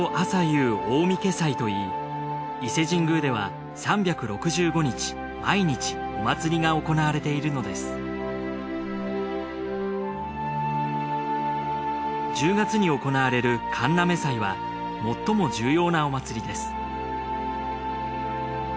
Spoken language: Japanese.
朝夕大御饌祭といい伊勢神宮では３６５日毎日お祭りが行われているのです１０月に行われる神嘗祭は最も重要なお祭りです。